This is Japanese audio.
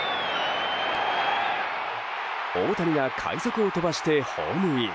大谷が快足を飛ばしてホームイン。